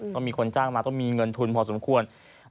ต้องมีคนจ้างมาต้องมีเงินทุนพอสมควร